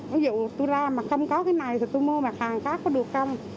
ví dụ tôi ra mà không có cái này thì tôi mua mặt hàng khác có được không